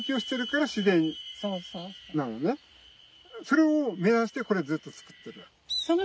それを目指してこれずっと造ってるわけ。